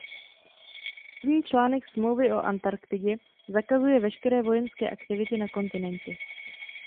První článek Smlouvy o Antarktidě zakazuje veškeré vojenské aktivity na kontinentě.